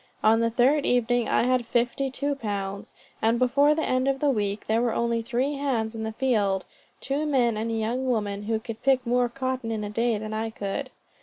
On the third evening I had fifty two pounds; and before the end of the week, there were only three hands in the field two men and a young woman who could pick more cotton in a day than I could.